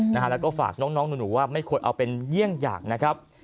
แล้วก็ฝากน้องหนูว่าไม่ควรเอาเป็นเยี่ยงอย่างนะครับ